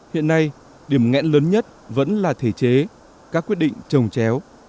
hiện nay điểm nghẽn lớn nhất vẫn là thể chế các quyết định trồng chéo